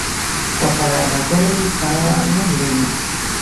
• وفادار ملګری تا نه هېروي.